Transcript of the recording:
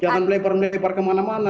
jangan melepar melebar kemana mana